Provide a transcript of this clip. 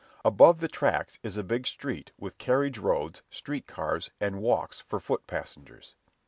Above the tracks is a big street with carriage roads, street cars, and walks for foot passengers.